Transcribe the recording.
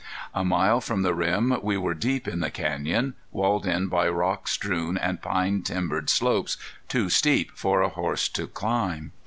A mile from the rim we were deep in the canyon, walled in by rock strewn and pine timbered slopes too steep for a horse to climb.